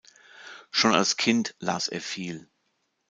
Schon als Kind las er viel.